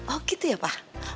oh gitu ya pa